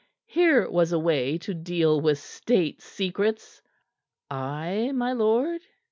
Here was a way to deal with State secrets. "I, my lord?"